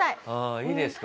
いいですか？